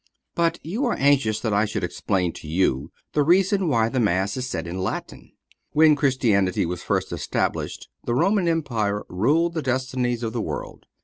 But you are anxious that I should explain to you the reason why the Mass is said in Latin. When Christianity was first established the Roman Empire ruled the destinies of the world.